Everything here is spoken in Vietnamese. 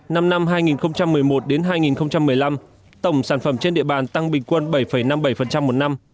năm năm hai nghìn một mươi một hai nghìn một mươi năm tổng sản phẩm trên địa bàn tăng bình quân bảy năm mươi bảy một năm